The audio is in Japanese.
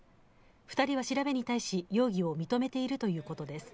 ２人は調べに対し容疑を認めているということです。